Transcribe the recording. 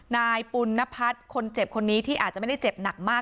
นายปุณนพัฒน์คนเจ็บคนนี้ที่อาจจะไม่ได้เจ็บหนักมาก